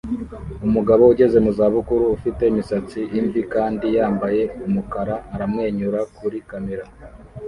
Umugabo ugeze mu za bukuru ufite imisatsi imvi kandi yambaye umukara aramwenyura kuri kamera